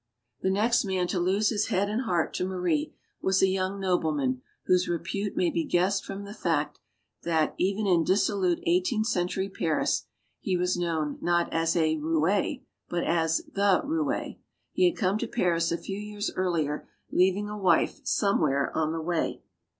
The next man to lose his head and heart to Marie was a young nobleman whose repute may be guessed from the fact that even in dissolute eighteenth century Paris he was known, not as a roue, but as "The Roue." He had come to Paris a few years earlier, leav ing a wife somewhere on the way.